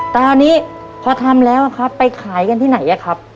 ตอนนี้พอทำแล้วครับไปขายกันที่ไหนอะครับ